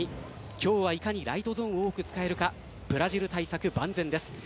今日はいかにライトゾーンを多く使えるかブラジル対策万全です。